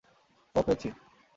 ওহ, পেয়েছি।